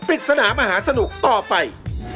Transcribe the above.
ปริศนามหาสนุกต่อไป